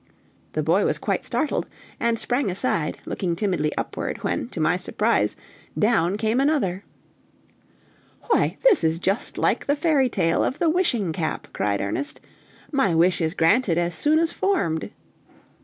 The boy was quite startled, and sprang aside, looking timidly upward, when, to my surprise, down came another. "Why, this is just like the fairy tale of the wishing cap!" cried Ernest. "My wish is granted as soon as formed!"